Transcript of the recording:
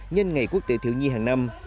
nhân ngày quốc tế thiếu nhi hàng năm